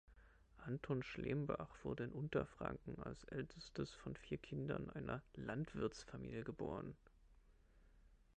Anton Schlembach wurde in Unterfranken als ältestes von vier Kindern einer Landwirtsfamilie geboren.